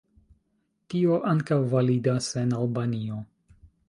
Tio ankaŭ validas en Albanio.